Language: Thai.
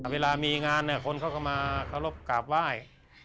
เวลามีงานเนี่ยคนเขากลับมากรอบกราบไหว้